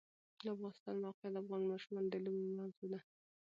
د افغانستان د موقعیت د افغان ماشومانو د لوبو موضوع ده.